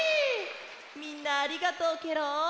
みんなありがとうケロ。